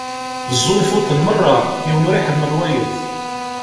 Zzunfuḍen merra, yiwen ur iḥemmel wayeḍ.